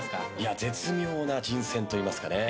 絶妙な人選といいますか。